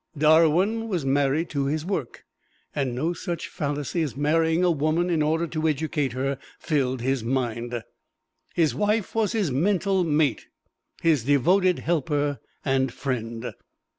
Darwin was married to his work, and no such fallacy as marrying a woman in order to educate her filled his mind. His wife was his mental mate, his devoted helper and friend.